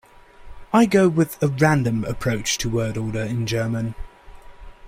I go with a random approach to word order in German.